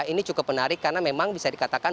ini cukup menarik karena memang bisa dikatakan